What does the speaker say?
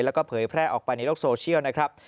แล้วก็เผยแพร่ออกไปในโลกโซเชียลนะครับ